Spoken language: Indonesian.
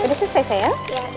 udah selesai sayang